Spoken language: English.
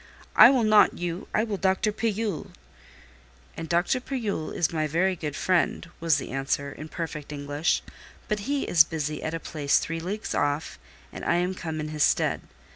"I will not you: I will Dr. Pillule!" "And Dr. Pillule is my very good friend," was the answer, in perfect English; "but he is busy at a place three leagues off, and I am come in his stead.